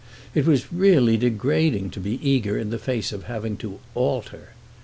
It was really degrading to be eager in the face of having to "alter."